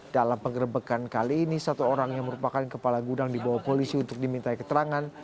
dalam penggerbekan kali ini satu orang yang merupakan kepala gudang dibawa polisi untuk diminta keterangan